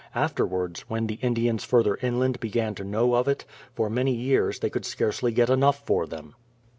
Afterwards, when the Indians further inland began to know of it, for many years they could scarcely get enough for them.